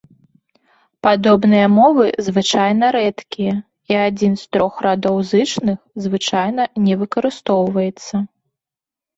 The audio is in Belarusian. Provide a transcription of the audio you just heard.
Падобныя мовы звычайна рэдкія, і адзін з трох радоў зычных звычайна не выкарыстоўваецца.